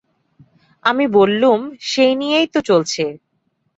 আমি বললুম, সেই নিয়েই তো চলছে।